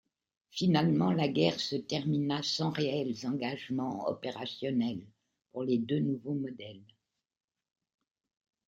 Finalement, la guerre se termina sans réels engagements opérationnels pour les deux nouveaux modèles.